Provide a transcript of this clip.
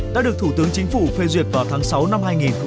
đã được thủ tướng chính phủ phê duyệt vào tháng sáu năm hai nghìn một mươi chín